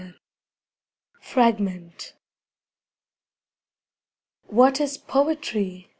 Fragment What is poetry?